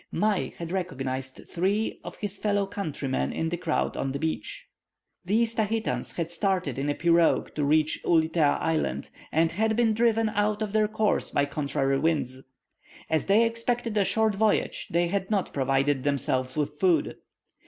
Mai had recognized three of his fellow countrymen in the crowd on the beach. These Tahitans had started in a pirogue to reach Ulitea Island, and had been driven out of their course by contrary winds. As they expected a short voyage, they had not provided themselves with food.